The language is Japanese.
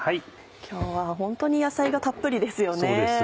今日はホントに野菜がたっぷりですよね。